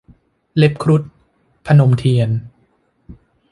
เล็บครุฑ - พนมเทียน